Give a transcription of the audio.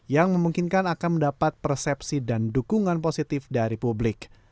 yang memungkinkan akan mendapat persepsi dan dukungan positif dari publik